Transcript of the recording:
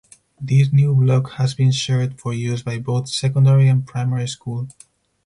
This new block has been shared for use by both secondary and primary school.